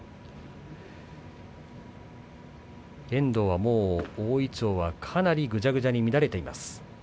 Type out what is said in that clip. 遠藤は大いちょうがかなりぐちゃぐちゃになっています。